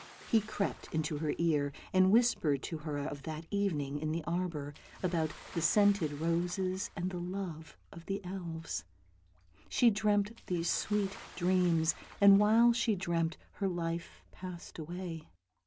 He crept into her ear, and whispered to her of that evening in the arbour, about the scented roses, and the love of the elves. She dreamt these sweet dreams, and while she dreamt her life passed away.